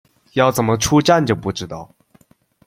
要怎么出站就不知道